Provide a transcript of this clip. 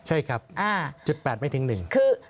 ใช่ครับจุดแปดไม่ถึงหนึ่ง